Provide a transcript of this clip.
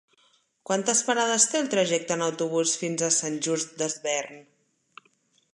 Quantes parades té el trajecte en autobús fins a Sant Just Desvern?